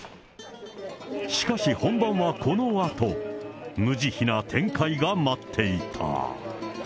しかし、本番はこのあと、無慈悲な展開が待っていた。